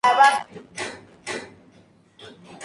Sunday Times".